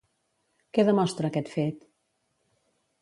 Què demostra aquest fet?